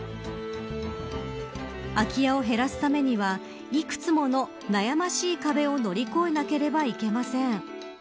空き家を減らすためにはいくつもの悩ましい壁を乗り越えなければいけません。